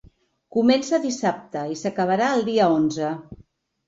Comença dissabte i s’acabarà el dia onze.